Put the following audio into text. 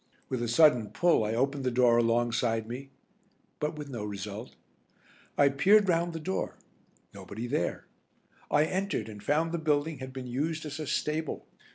With a sudden pull I opened the door alongside me, but with no result. I peered round the door; nobody there. I entered and found the building had been used as a stable.